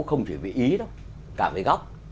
không chỉ vì ý đâu cả vì góc